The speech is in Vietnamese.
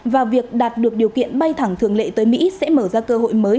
và việc đạt được điều kiện bay thẳng thường lệ tới mỹ sẽ mở ra cơ hội mới